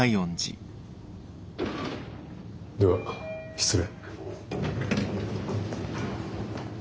では失礼。